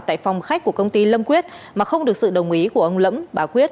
tại phòng khách của công ty lâm quyết mà không được sự đồng ý của ông lẫm bà quyết